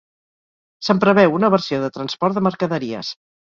Se'n preveu una versió de transport de mercaderies.